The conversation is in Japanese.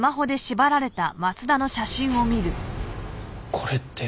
これって。